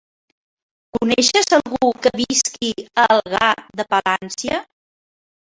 Coneixes algú que visqui a Algar de Palància?